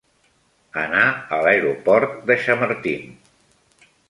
Anar a l'aeroport de Chamartín.